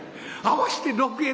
合わして６円。